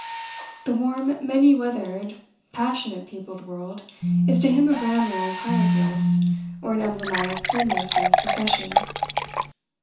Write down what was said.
The warm, many weathered, passionate peopled world is to him a grammar of hieroglyphs, or an emblematic freemason's procession.